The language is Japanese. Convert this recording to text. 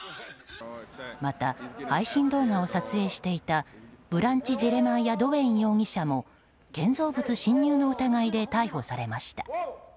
また配信動画を撮影していたブランチ・ジェレマイア・ドウェイン容疑者も建造物侵入の疑いで逮捕されました。